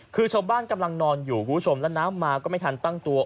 คือชาวบ้านกำลังนอนอยู่คุณผู้ชมแล้วน้ำมาก็ไม่ทันตั้งตัว